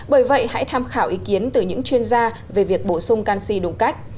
bởi vậy hãy tham khảo ý kiến từ những chuyên gia về việc bổ sung canxi đúng cách